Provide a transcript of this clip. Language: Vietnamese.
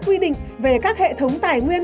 quy định về các hệ thống tài nguyên